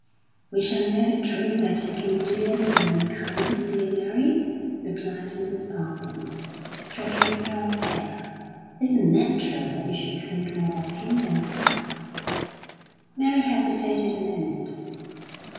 "We shall never dream that you can do anything unkind, dear Mary," replied Mrs. Parsons, stroking the girl's hair. "It's natural that you should think more of him than of us." Mary hesitated a moment.